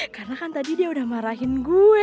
karena kan tadi dia udah marahin gue